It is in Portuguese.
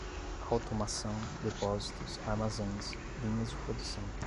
automação, depósitos, armazéns, linhas de produção